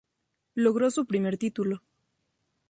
Logró su primer título.